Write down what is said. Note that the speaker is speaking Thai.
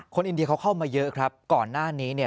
อินเดียเขาเข้ามาเยอะครับก่อนหน้านี้เนี่ย